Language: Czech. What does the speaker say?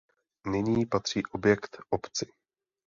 Nyní patří objekt obci.